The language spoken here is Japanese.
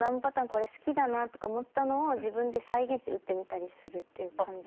これ好きだなとか思ったのを自分で再現して打ってみたりするっていう感じで。